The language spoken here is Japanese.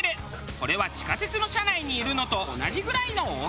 これは地下鉄の車内にいるのと同じぐらいの大きさ。